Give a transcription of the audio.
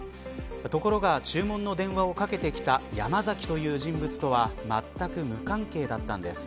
ところが注文の電話をかけてきたヤマザキという人物とはまったく無関係だったんです。